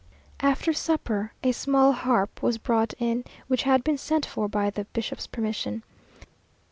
After supper a small harp was brought in, which had been sent for by the bishop's permission.